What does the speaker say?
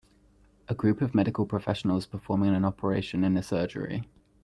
A group of medical professionals performing an operation in a surgery.